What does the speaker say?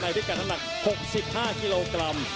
ในพิกัดหนัก๖๕กิโลกรัม